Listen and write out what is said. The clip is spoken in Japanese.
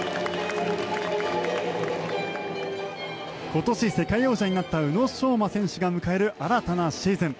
今年、世界王者になった宇野昌磨選手が迎える新たなシーズン。